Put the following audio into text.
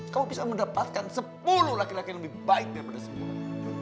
kamu bisa mendapatkan sepuluh laki laki yang lebih baik daripada semuanya